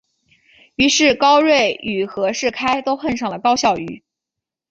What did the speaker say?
于是高睿与和士开都恨上高孝瑜。